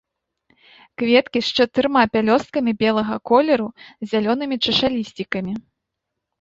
Кветкі з чатырма пялёсткамі белага колеру, з зялёнымі чашалісцікамі.